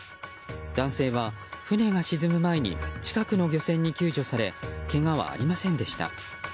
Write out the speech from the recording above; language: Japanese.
男性は、船が沈む前に近くの漁船に救助されけがはありませんでした。